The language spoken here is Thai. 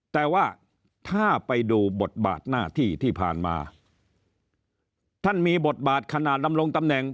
แต่ว่าถ้าไปดูบทบาทหน้าที่ที่ผ่านมาท่านมีบทบาทขณะดำรงตำแหน่ง